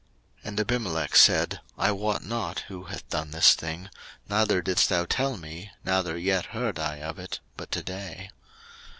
01:021:026 And Abimelech said, I wot not who hath done this thing; neither didst thou tell me, neither yet heard I of it, but to day.